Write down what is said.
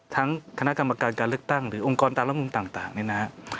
ทั้งคณะกรรมการการเลือกตั้งหรือองค์กรตามร่วมงุมต่างนะครับ